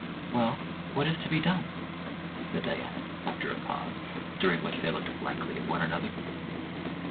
"Well, what is to be done?" said Diana, after a pause, during which they looked blankly at one another.